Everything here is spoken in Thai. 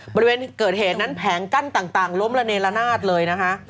บริเวณเกิดเหตุนั้นแผงกั้นต่างล้มระเนละนาดเลยนะคะ